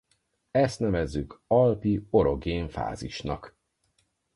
Ezt nevezzük alpi orogén fázisnak.